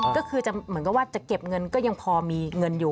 ก็คือจะเหมือนกับว่าจะเก็บเงินก็ยังพอมีเงินอยู่